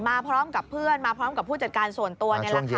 มาพร้อมกับเพื่อนมาพร้อมกับผู้จัดการส่วนตัวนี่แหละค่ะ